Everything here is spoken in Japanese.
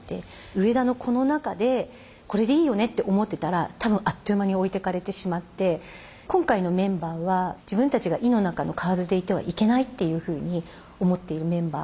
上田のこの中でこれでいいよねって思ってたら多分あっという間に置いてかれてしまって今回のメンバーは自分たちが井の中のかわずでいてはいけないっていうふうに思っているメンバー。